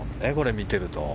見ていると。